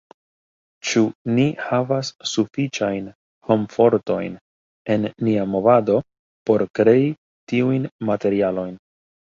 Ĉu ni havas sufiĉajn hom-fortojn en nia movado por krei tiujn materialojn?